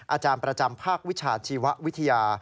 อาจารย์ประจำภาควิชาชีววิทยา